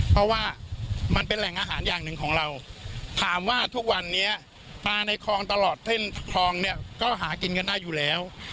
เพราะว่ามันเป็นแหล่งอาหารอย่างหนึ่งของเราถามว่าทุกวันนี้ปลาในคลองตลอดเส้นคลองเนี่ยก็หากินกันได้อยู่แล้ว